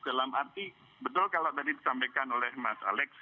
dalam arti betul kalau tadi disampaikan oleh mas alex